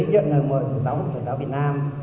nhận lời mời của giáo hội phật giáo việt nam